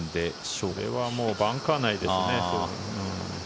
これはバンカー内ですね。